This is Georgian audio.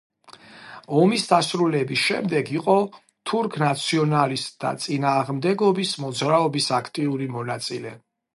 ომის დასრულების შემდეგ იყო თურქ ნაციონალისტთა წინააღმდეგობის მოძრაობის აქტიური მონაწილე.